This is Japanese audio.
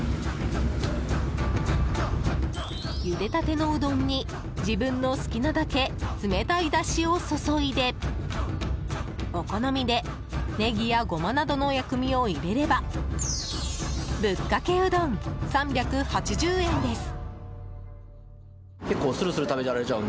ゆでたてのうどんに自分の好きなだけ冷たいだしを注いでお好みでネギやゴマなどの薬味を入れればぶっかけうどん、３８０円です。